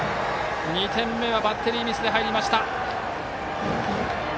２点目はバッテリーミスで入りました。